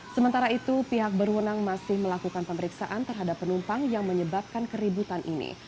sementara itu pihak berwenang masih melakukan pemeriksaan terhadap penumpang yang menyebabkan keributan ini